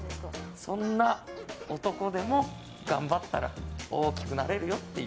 そんな男でも頑張ったら大きくなれるよっていう。